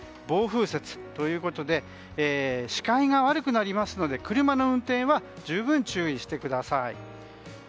暴風雪ということで視界が悪くなりますので車の運転は十分注意してください。